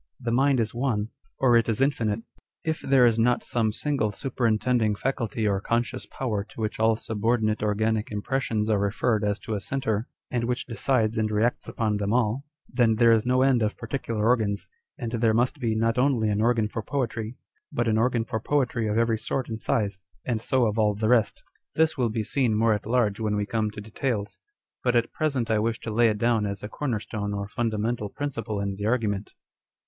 The mind is one, or it is infinite. If there is not some single, superin tending faculty or conscious power to which all subordinate organic impressions are referred as to a centre, and which decides and reacts upon them all, then there is no end of particular organs, and there must be not only an organ for poetry, but an organ for poetry of every sort and size, and so of all the rest. This will be seen more at large when we come to details ; but at present I wish to lay it down as a corner stone or fundamental principle in the argument.